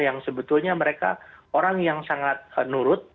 yang sebetulnya mereka orang yang sangat nurut